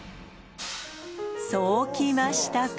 そうきましたか！